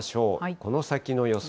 この先の予想